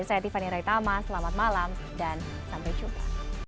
saya tiffany raitama selamat malam dan sampai jumpa